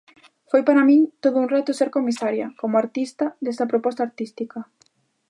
Foi para min todo un reto ser comisaria, como artista, desta proposta artística.